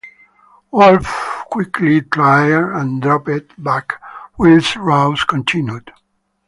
Wolf quickly tired and dropped back, whilst Rouse continued.